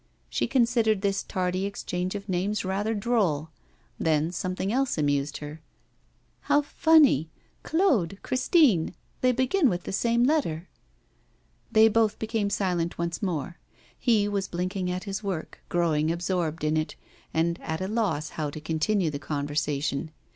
She considered this tardy exchange of names rather droll. Then something else amused her. 'How funny Claude, Christine they begin with the same letter.' They both became silent once more. He was blinking at his work, growing absorbed in it, and at a loss how to continue the conversation.